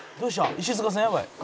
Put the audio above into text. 石塚さんやばい！